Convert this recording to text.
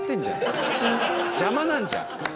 邪魔なんじゃん。